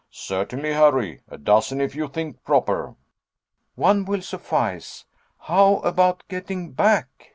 "Certainly, Harry; a dozen if you think proper." "One will suffice. How about getting back?"